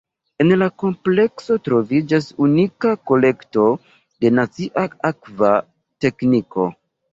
En la komplekso troviĝas unika kolekto de nacia akva tekniko.